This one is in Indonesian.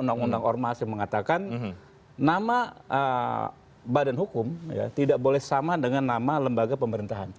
undang undang ormas yang mengatakan nama badan hukum tidak boleh sama dengan nama lembaga pemerintahan